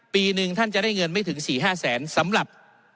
ปีหนึ่งท่านจะได้เงินไม่ถึง๔๕แสนสำหรับ